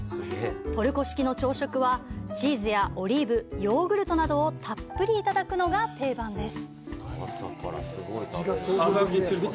トルコ式の朝食は、チーズやオリーブ、ヨーグルトなどをたっぷりいただくのが定番です。